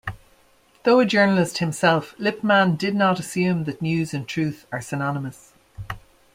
Though a journalist himself, Lippmann did not assume that news and truth are synonymous.